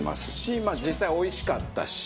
まあ実際おいしかったし。